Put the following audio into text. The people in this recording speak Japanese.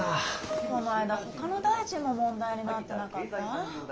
この間ほかの大臣も問題になってなかった？